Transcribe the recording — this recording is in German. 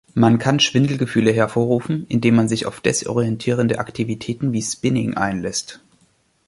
Man kann Schwindelgefühle hervorrufen, indem man sich auf desorientierende Aktivitäten wie Spinning einlässt.